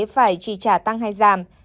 phải trì trả tăng hay giảm